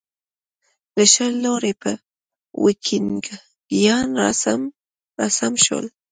له شل لوري به ویکینګیان راسم شول.